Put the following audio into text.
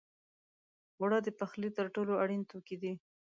اوړه د پخلي تر ټولو اړین توکي دي